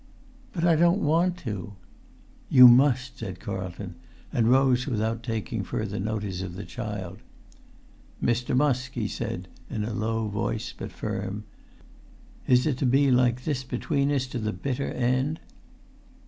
"But I don't want to!" "You must," said Carlton, and rose without taking further notice of the child. "Mr. Musk," he said, in a low voice but firm, "is it to be like this between us to the bitter end?"